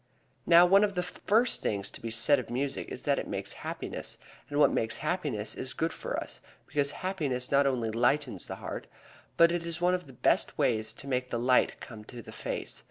Now, one of the first things to be said of music is that it makes happiness, and what makes happiness is good for us, because happiness not only lightens the heart, but it is one of the best ways to make the light come to the face.